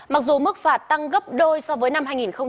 mặc dù mức phạt tăng gấp đôi so với năm hai nghìn một mươi bảy